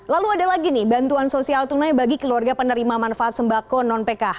lalu ada lagi nih bantuan sosial tunai bagi keluarga penerima manfaat sembako non pkh